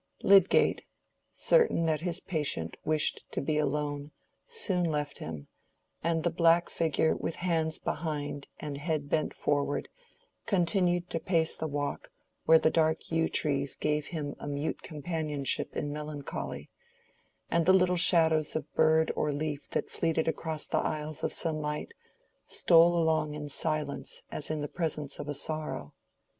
Lydgate, certain that his patient wished to be alone, soon left him; and the black figure with hands behind and head bent forward continued to pace the walk where the dark yew trees gave him a mute companionship in melancholy, and the little shadows of bird or leaf that fleeted across the isles of sunlight, stole along in silence as in the presence of a sorrow.